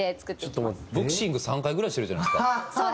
ボクシング３回ぐらいしてるじゃないですか。